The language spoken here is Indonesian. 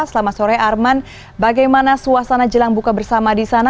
selamat sore arman bagaimana suasana jelang buka bersama di sana